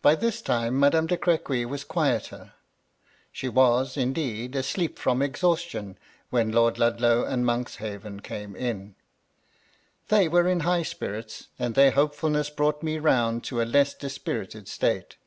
By this time Madame de Crequy was quieter : she was, indeed, asleep from exhaustion when Lord Ludlow and Monkshaven came in. They were in high spirits, and their hopefulness brought me round to a less dispirited state.